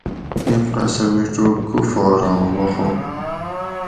ایں قصہ میچوگ کُفاراں وخاں